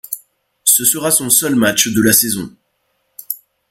Ce sera son seul match de la saison.